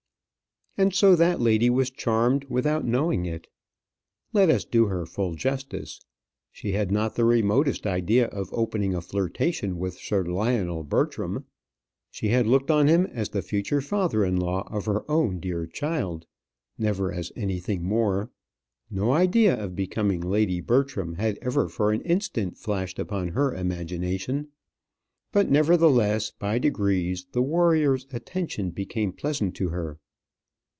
And so that lady was charmed without knowing it. Let us do her full justice. She had not the remotest idea of opening a flirtation with Sir Lionel Bertram. She had looked on him as the future father in law of her own dear child; never as anything more: no idea of becoming Lady Bertram had ever for an instant flashed upon her imagination. But, nevertheless, by degrees the warrior's attentions became pleasant to her.